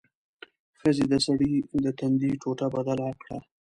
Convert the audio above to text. ښځې د سړي د تندي ټوټه بدله کړه.